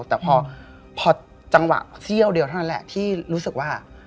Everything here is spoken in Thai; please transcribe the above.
แต่พอจังหวะเสี้ยวเดียวเท่านั้นแหละที่รู้สึกว่า